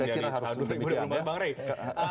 saya kira harus seperti itu